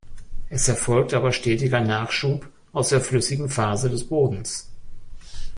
Es erfolgt aber stetiger Nachschub aus der flüssigen Phase des Bodens.